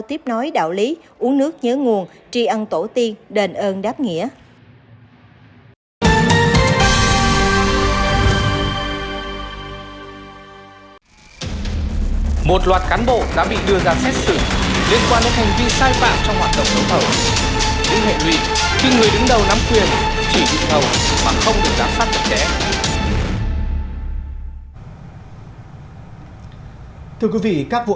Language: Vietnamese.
tiếp nói đạo lý uống nước nhớ nguồn tri ân tổ tiên đền ơn đáp nghĩa